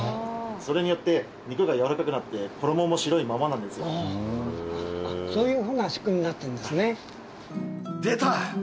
それによって肉がやわらかくなって衣も白いままなんですよああそういうふうな仕組みになってんですね出た！